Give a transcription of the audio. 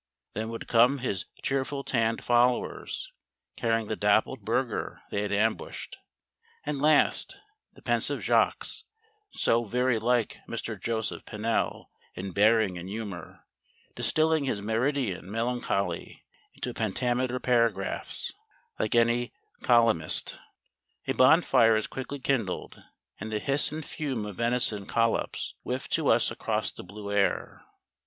Then would come his cheerful tanned followers, carrying the dappled burgher they had ambushed; and, last, the pensive Jacques (so very like Mr. Joseph Pennell in bearing and humour) distilling his meridian melancholy into pentameter paragraphs, like any colyumist. A bonfire is quickly kindled, and the hiss and fume of venison collops whiff to us across the blue air.